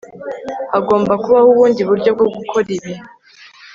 hagomba kubaho ubundi buryo bwo gukora ibi